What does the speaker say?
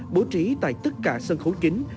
bố trí tại tất cả sân khấu chính